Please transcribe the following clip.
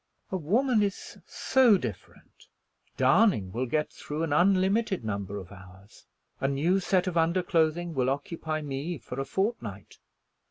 "A woman is so different! Darning will get through an unlimited number of hours. A new set of underclothing will occupy me for a fortnight.